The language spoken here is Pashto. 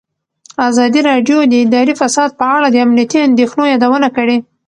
ازادي راډیو د اداري فساد په اړه د امنیتي اندېښنو یادونه کړې.